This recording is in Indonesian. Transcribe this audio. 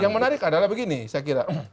yang menarik adalah begini saya kira